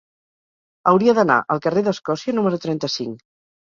Hauria d'anar al carrer d'Escòcia número trenta-cinc.